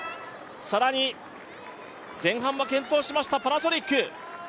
更に前半は健闘しましたパナソニック。